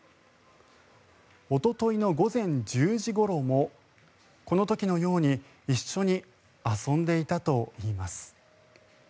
おとといの午前１０時ごろもこの時のように一緒に遊んでいたといいます。